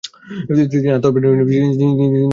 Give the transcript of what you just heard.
তিনি আধ্যাত্ম্যবাদ নিয়ে চিন্তাভাবনা শুরু করেন।